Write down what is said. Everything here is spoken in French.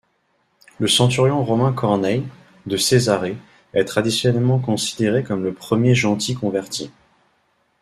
Le centurion Romain Corneille, de Césarée, est traditionnellement considéré comme le premier Gentil converti.